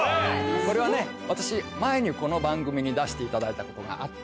これはね私前にこの番組に出していただいたことがあって。